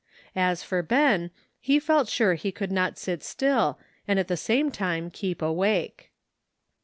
As for Ben, he felt sure he could not sit still and at the same time keep awake.